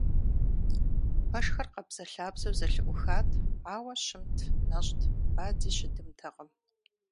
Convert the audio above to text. Пэшхэр къабзэлъабзэу зэлъыӀухат, ауэ щымт, нэщӀт, бадзи щыдымтэкъым.